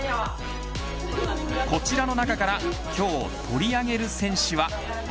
こちらの中から今日、取り上げる選手は。